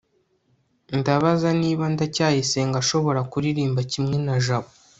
ndabaza niba ndacyayisenga ashobora kuririmba kimwe na jabo